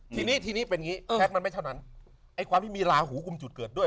ทีนี้ทีนี้เป็นอย่างนี้แท็กมันไม่เท่านั้นไอ้ความที่มีลาหูกลุ่มจุดเกิดด้วย